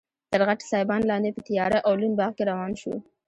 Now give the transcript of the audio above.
تر غټ سایبان لاندې په تیاره او لوند باغ کې روان شوو.